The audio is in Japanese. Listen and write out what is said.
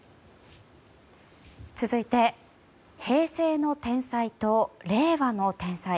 続いて平成の天才と令和の天才。